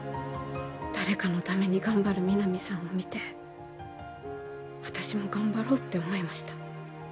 誰かのために頑張る皆実さんを見て私も頑張ろうって思いました